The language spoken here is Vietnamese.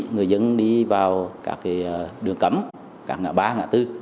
người dân đi vào các đường cấm các ngã ba ngã tư